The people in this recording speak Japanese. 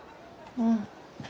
うん。